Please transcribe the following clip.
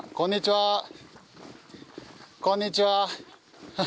はいこんにちは。